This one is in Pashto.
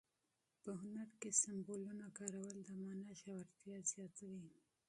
په هنر کې د سمبولونو کارول د مانا ژورتیا زیاتوي.